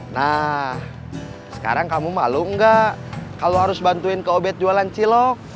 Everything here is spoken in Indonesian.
nah sekarang kamu malu gak kalau harus bantuin kak ubed jualan cilok